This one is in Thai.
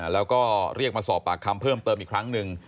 แล้วก็เรียกมาสอบปากคำเพิ่มเติมอีกครั้งหนึ่ง